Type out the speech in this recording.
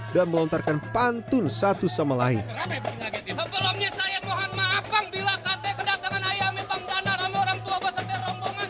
dan melontarkan pantun satu sama lain sebelumnya saya tuhan maafkan bila kt kedatangan ayam